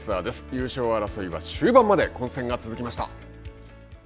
優勝争いは終盤まで混戦が続きました。